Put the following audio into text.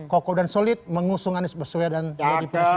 kokoh dan solid mengusung anies baswaya dan yadip yasin